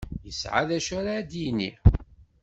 Yesεa d acu ara d-yini.